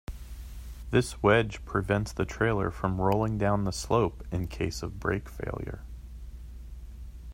This wedge prevents the trailer from rolling down the slope in case of brake failure.